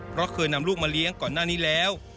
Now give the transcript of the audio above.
เพราะเคยนำลูกมาเลี้ยงก่อนหน้านี้แล้ว